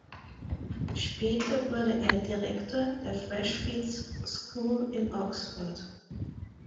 Später wurde er Direktor der Freshfields School in Oxford.